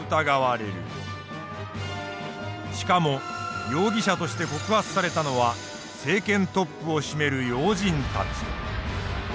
しかも容疑者として告発されたのは政権トップを占める要人たち。